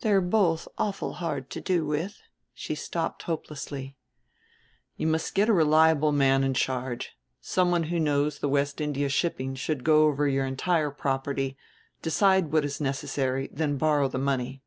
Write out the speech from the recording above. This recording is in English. They're both awful hard to do with," she stopped hopelessly. "You must get a reliable man in charge. Some one who knows the West India shipping should go over your entire property, decide what is necessary, then borrow the money.